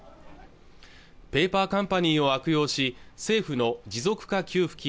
ペーパーカンパニーを悪用し政府の持続化給付金